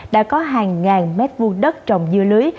đã có hàng ngàn mét vuông đất trồng dưa lưới